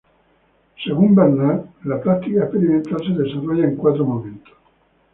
Según Bernard, la práctica experimental se desarrolla en cuatro momentos.